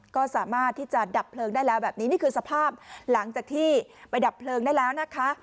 ก็สามารถที่จะดับเพลิงได้แล้วแบบนี้นี่คือสภาพหลังจากที่ไปดับเพลิงได้แล้วนะคะ